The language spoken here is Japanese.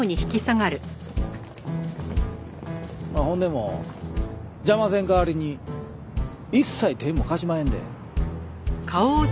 ほんでも邪魔せん代わりに一切手も貸しまへんで。